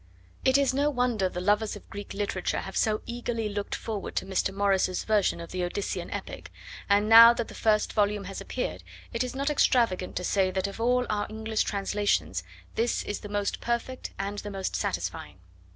It is no wonder the lovers of Greek literature have so eagerly looked forward to Mr. Morris's version of the Odyssean epic, and now that the first volume has appeared, it is not extravagant to say that of all our English translations this is the most perfect and the most satisfying.